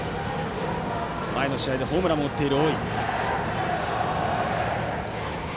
前の試合でホームランも打っている大井。